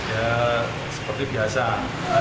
ya seperti biasa